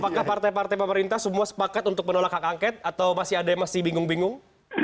apakah partai partai pemerintah semua sepakat untuk menolak hak angket atau masih ada yang masih bingung bingung